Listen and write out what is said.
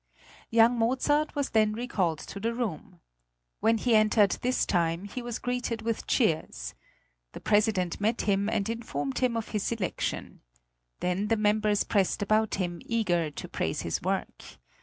Young Mozart was then recalled to the room. When he entered this time he was greeted with cheers. The president met him, and informed him of his election. Then the members pressed about him, eager to praise his work.